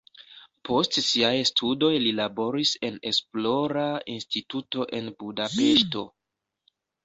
Post siaj studoj li laboris en esplora instituto en Budapeŝto.